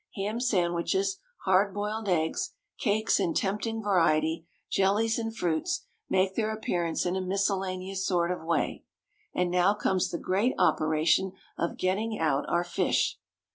Ham sandwiches, hard boiled eggs, cakes in tempting variety, jellies and fruits, make their appearance in a miscellaneous sort of way. And now comes the great operation of getting out our fish.